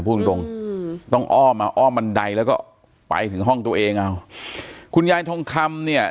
พูดตรงตรงอืมต้องอ้อมเอาอ้อมบันไดแล้วก็ไปถึงห้องตัวเองเอาคุณยายทองคำเนี่ย